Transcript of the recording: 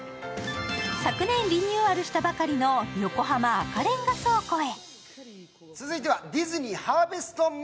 昨年リニューアルしたばかりの横浜赤レンガ倉庫へ。